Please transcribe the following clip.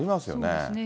そうですね。